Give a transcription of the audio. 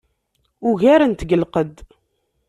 Ugaren-t deg lqedd.